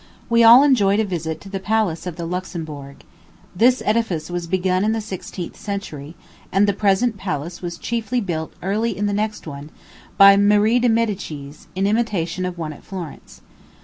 We all enjoyed a visit to the palace of the Luxembourg. This edifice was begun in the sixteenth century, and the present palace was chiefly built early in the next one, by Marie de Medicis, in imitation of one at Florence.